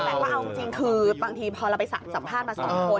แต่ก็เอาจริงคือบางทีพอเราไปสัมภาษณ์มา๒คน